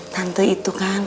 tante itu kan